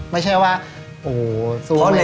ไม่ใช่ว่าการสู้ไม่ดี